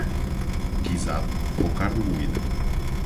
Guisado ou carne moída